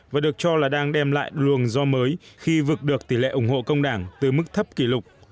và được cho là đang đem lại luồng do mới khi vượt được tỷ lệ ủng hộ công đảng từ mức thấp kỷ lục